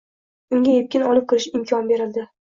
Unga epkin olib kirish imkoni berildi.